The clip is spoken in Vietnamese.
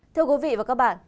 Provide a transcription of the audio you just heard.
thưa quý vị và các bạn